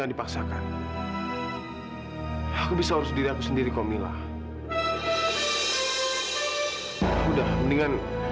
sampai jumpa di video selanjutnya